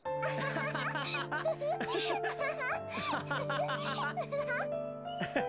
ハハハハハ。